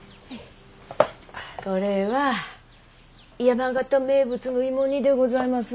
これは山形名物の芋煮でございます。